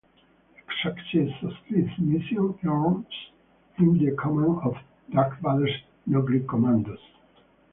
The success of this mission earns him the command of Darth Vader's Noghri commandos.